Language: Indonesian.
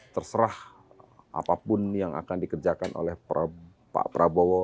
terserah apapun yang akan dikerjakan oleh pak prabowo